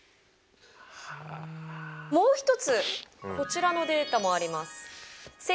もう一つこちらのデータもあります。